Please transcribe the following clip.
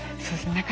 そうですね。